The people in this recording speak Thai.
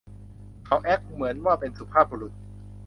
เขาแอ็คเหมือนว่าเป็นสุภาพบุรุษ